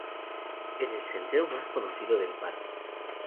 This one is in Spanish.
Es el sendero más conocido del parque.